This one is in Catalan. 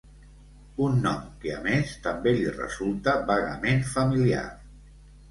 Un nom que a més també li resulta vagament familiar.